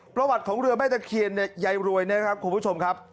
ประวัติของเรือแม่ตะเคียนเนี่ยยายรวยนะครับคุณผู้ชมครับ